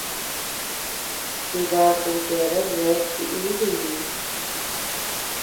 Jibaku yeabean bea chi-íbii.